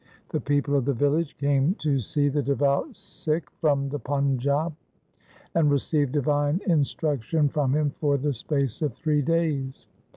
The people of the village came to see the devout Sikh from the Panjab, and received divine instruction from him for the space of three days.